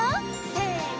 せの！